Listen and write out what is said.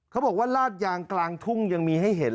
เขาบอกว่าลาดยางกลางทุ่งยังมีให้เห็น